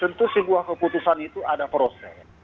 tentu sebuah keputusan itu ada proses